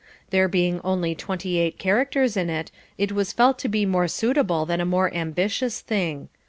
There being only twenty eight characters in it, it was felt to be more suitable than a more ambitious thing.